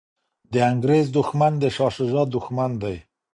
د انګریز دښمن د شاه شجاع دښمن دی.